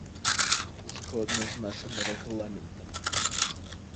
Згодна з нашым рэгламентам.